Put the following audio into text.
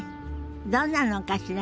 どんなのかしらね。